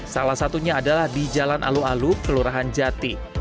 salah satunya adalah di jalan alu alu kelurahan jati